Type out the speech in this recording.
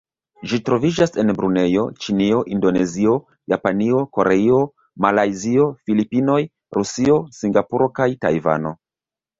Ĝi troviĝas en Brunejo, Ĉinio, Indonezio, Japanio, Koreio, Malajzio, Filipinoj, Rusio, Singapuro kaj Tajvano.